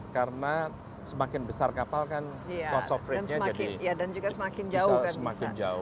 karena semakin besar kapal kan cost of freightnya jadi bisa semakin jauh